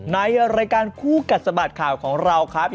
ในรายการคู่กัดสะบัดข่าวของเราครับ